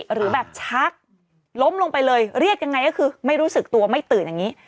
หรือแบบชักล้มลงไปเลยเรียกยังไงก็คือไม่รู้สึกตัวไม่ตื่นอย่างนี้